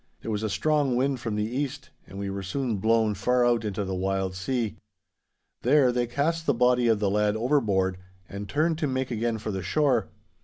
There was a strong wind from the east, and we were soon blown far out into the wild sea. There they cast the body of the lad overboard, and turned to make again for the shore.